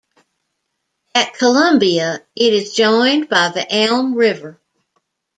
At Columbia, it is joined by the Elm River.